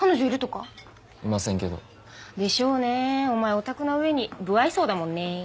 ヲタクな上に無愛想だもんね。